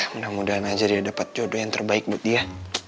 mudah mudahan aja dia dapat jodoh yang terbaik buat dia